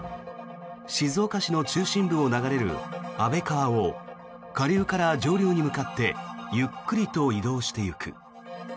静岡市の中心部を流れる安倍川を下流から上流に向かってゆっくりと移動していく。